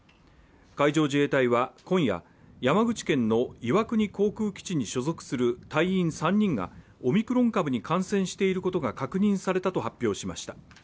海上自衛隊は今夜、山口県の岩国航空基地に所属する隊員３人がオミクロン株に感染していることが確認されたと発表しました。